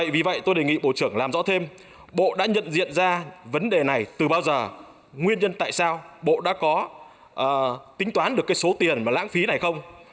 vì vậy tôi đề nghị bộ trưởng làm rõ thêm bộ đã nhận diện ra vấn đề này từ bao giờ nguyên nhân tại sao bộ đã có tính toán được số tiền mà lãng phí này không